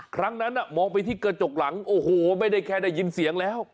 ครั้งนั้นมองไปที่กระจกหลังโอ้โหไม่ได้แค่ได้ยินเสียงแล้ว